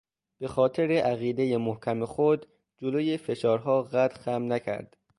به خاطر عقیدهٔ محکم خود، جلوی فشارها قد خم نکرد